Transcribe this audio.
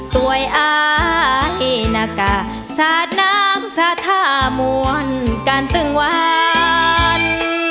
ต่วยอ้าเอนกะสาดน้ำสาดถ้ามวลกันตึงวัน